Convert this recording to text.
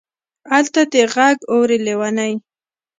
الته دې غږ اوري لېونۍ.